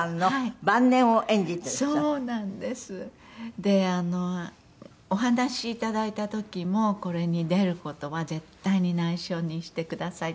であのお話いただいた時も「これに出る事は絶対に内緒にしてください」って。